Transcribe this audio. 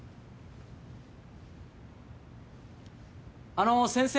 あのう先生。